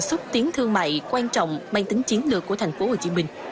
xúc tiến thương mại quan trọng mang tính chiến lược của thành phố hồ chí minh